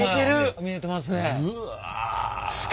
見えてますね。